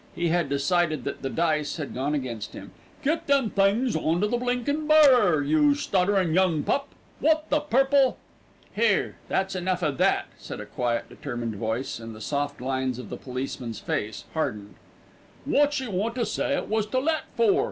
He had decided that the dice had gone against him. "Get them things on to the blinkin' barrer, you stutterin' young pup. Wot the purple " "Here, that's enough of that," said a quiet, determined voice, and the soft lines of the policeman's face hardened. "Wot she want to say it was to let for?"